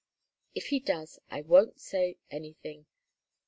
If he does, I won't say anything.